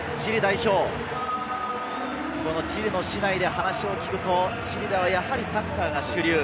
チリ代表、このチリの市内で話を聞くと、チリではやはりサッカーが主流。